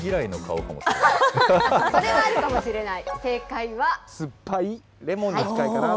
それはあるかもしれない。